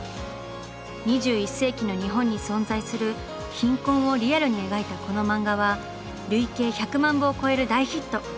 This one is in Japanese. ２１世紀の日本に存在する「貧困」をリアルに描いたこの漫画は累計１００万部を超える大ヒット。